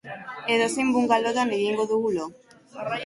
Edozein bungalowtan egingo dugu lo.